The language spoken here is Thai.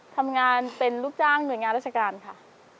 ทำงานเป็นลูกจ้างหน่วยงานราชการค่ะ